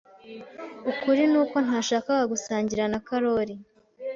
Ukuri nuko ntashakaga gusangira na Karoli.